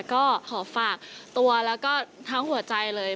ก็ขอฝากตัวแล้วก็ทั้งหัวใจเลย